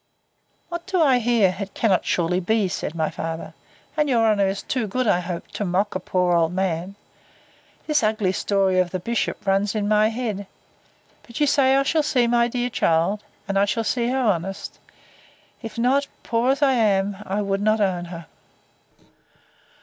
What do I hear? It cannot surely be! said my father. And your honour is too good, I hope, to mock a poor old man—This ugly story, sir, of the bishop, runs in my head—But you say I shall see my dear child—And I shall see her honest.—If not, poor as I am, I would not own her.